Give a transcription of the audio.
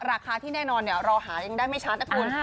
ราคาที่แน่นอนเนี่ยเราหายังได้ไม่ช้านะคุณ